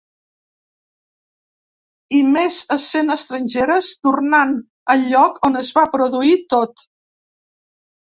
I més essent estrangeres, tornant al lloc on es va produir tot.